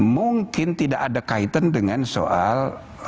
mungkin tidak ada kaitan dengan soal